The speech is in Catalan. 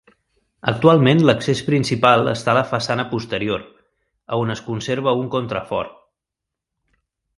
Actualment l'accés principal està a la façana posterior, a on es conserva un contrafort.